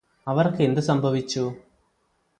അവര്ക്കെന്തു സംഭവിച്ചു